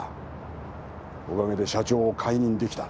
おかげで社長を解任できた。